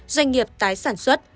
doanh nghiệp tái sản xuất